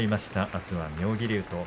あすは妙義龍と。